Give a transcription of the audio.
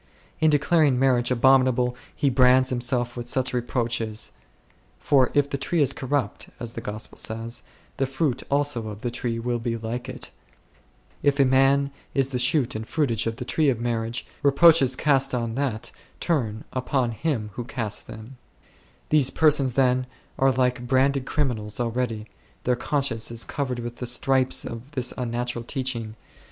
In declaring marriage abominable he brands himself with such reproaches; for "if the tree is corrupt " (as the Gospel says), " the fruit also of the tree will be like it 3" ; if a man is the shoot and fruitage of the tree of marriage, re proaches cast on that turn upon him who casts theml These persons, then, are like branded criminals already ; their conscience is covered with the stripes of this unnatural teach ing.